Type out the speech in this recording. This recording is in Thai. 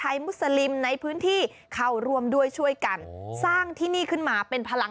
มุสลิมในพื้นที่เข้าร่วมด้วยช่วยกันสร้างที่นี่ขึ้นมาเป็นพลัง